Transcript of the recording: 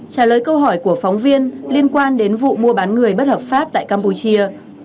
trả lời câu hỏi của phóng viên liên quan đến vụ mua bán người bất hợp pháp tại campuchia